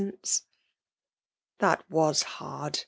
sence." ''That wa$ hard!"